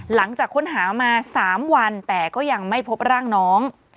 หลังจากค้นหามา๓วันแต่ก็ยังไม่พบร่างน้อง